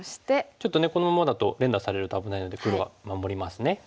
ちょっとねこのままだと連打されると危ないので黒は守りますね。